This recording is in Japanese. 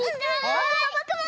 ぼくもぼくも！